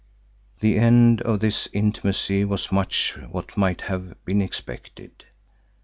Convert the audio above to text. The end of this intimacy was much what might have been expected.